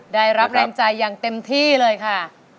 ได้รับแรงใจอย่างเต็มที่เลยค่ะ